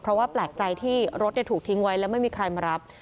เพราะว่าแปลกใจที่รถถูกทิ้งไว้แล้วไม่มีใครมารับ